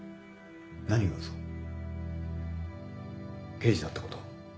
刑事だってこと？